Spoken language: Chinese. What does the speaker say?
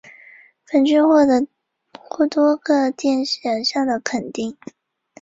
然后将浓缩的热用作常规电站的热源。